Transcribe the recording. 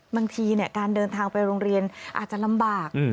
บางทีการเดินทางไปโรงเรียนอาจจะลำบาก